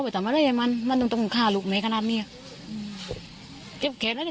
ว่าทำลูกมันไม่ได้ขนาดนี้ดูสิ